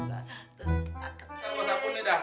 makasih deh semuanya deh